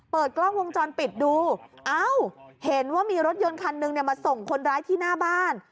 เปิดกล้องวงจรปิดดูเอ้าเห็นว่ามีรถยนต์คันหนึ่งมาส่งคนร้ายที่หน้าบ้าน